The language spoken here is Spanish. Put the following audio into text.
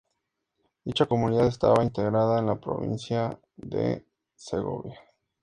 Dicha comunidad estaba integrada en la provincia de Segovia.